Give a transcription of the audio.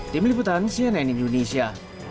tim liputan cnn indonesia